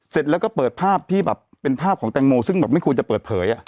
เสร็จแล้วก็เปิดภาพที่แบบเป็นภาพของแตงโมซึ่งแบบไม่ควรจะเปิดเผย